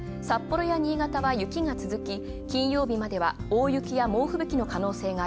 札幌や新潟は雪が続き、金曜までは大雪や猛吹雪の可能性。